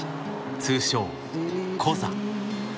通称コザ。